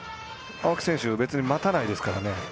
青木選手待たないですからね。